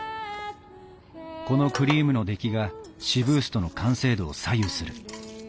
このクリームの出来がシブーストの完成度を左右する。